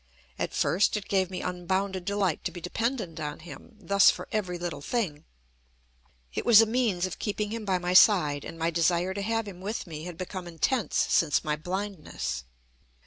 At first it gave me unbounded delight to be dependent on him thus for every little thing. It was a means of keeping him by my side, and my desire to have him with me had become intense since my blindness.